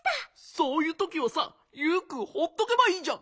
そういうときはさユウくんほっとけばいいじゃん！